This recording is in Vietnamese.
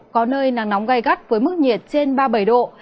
có nơi nắng nóng gai gắt với mức nhiệt trên ba mươi bảy độ